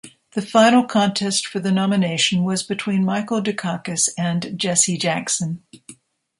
The final contest for the nomination was between Michael Dukakis and Jesse Jackson.